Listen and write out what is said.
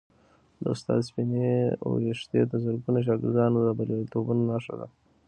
د استاد سپینې ویښتې د زرګونو شاګردانو د بریالیتوبونو نښه ده.